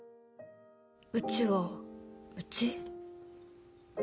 うちはうち？